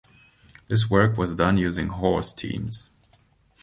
This work was done using horse teams.